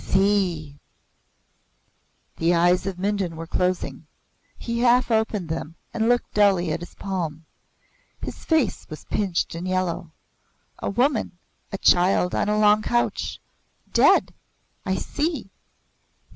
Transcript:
See!" The eyes of Mindon were closing. He half opened them and looked dully at his palm. His face was pinched and yellow. "A woman a child, on a long couch. Dead! I see!"